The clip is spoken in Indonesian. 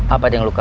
apa ada yang luka